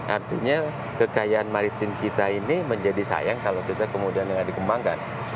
artinya kekayaan maritim kita ini menjadi sayang kalau kita kemudian tidak dikembangkan